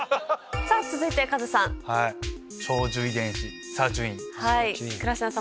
続いてカズさん。